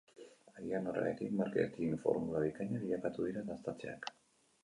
Agian, horregatik, marketing-formula bikaina bilakatu dira dastatzeak.